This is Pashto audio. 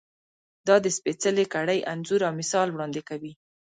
دا د سپېڅلې کړۍ انځور او مثال وړاندې کوي.